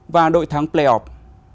và đội thắng playoff